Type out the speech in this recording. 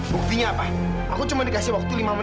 buktinya apa aku cuma dikasih waktu lima menit sama kak fad